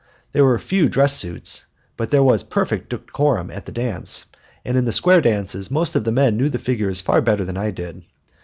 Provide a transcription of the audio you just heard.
There were few dress suits, but there was perfect decorum at the dance, and in the square dances most of the men knew the figures far better than I did.